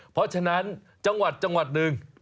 เพราะฉะนั้นจังหวัดหนึ่ง